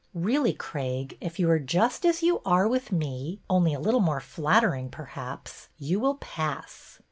Really, Craig, if you are just as you are with me — only a little more flatter ing, perhaps — you will pass."